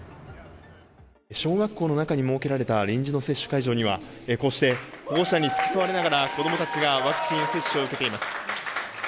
小学校の中に設けられた臨時の接種会場には、こうして保護者に付き添われながら、子どもたちがワクチン接種を受けています。